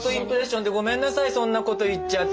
そんなこと言っちゃって。